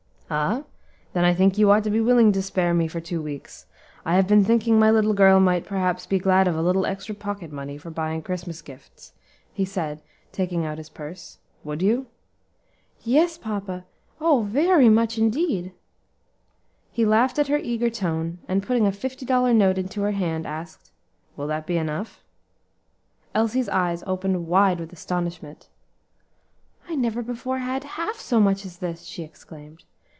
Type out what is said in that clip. "Ah? then I think you ought to be willing to spare me for two weeks. I have been thinking my little girl might perhaps be glad of a little extra pocket money for buying Christmas gifts," he said, taking out his purse. "Would you?" "Yes, papa; oh! very much, indeed." He laughed at her eager tone, and putting a fifty dollar note into her hand, asked, "Will that be enough?" Elsie's eyes opened wide with astonishment. "I never before had half so much as this," she exclaimed.